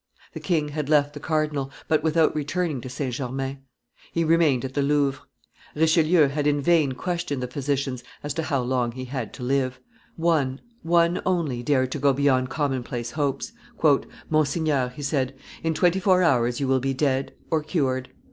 The king had left the cardinal, but without returning to St. Germain. He remained at the Louvre. Richelieu had in vain questioned the physicians as to how long he had to live. One, only, dared to go beyond commonplace hopes. "Monsignor," he said, "in twenty four hours you will be dead or cured."